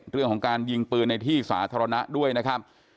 เรื่องของการยิงปืนในที่สาธารณะด้วยนะครับ